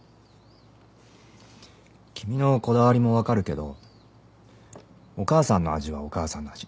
君のこだわりもわかるけどお母さんの味はお母さんの味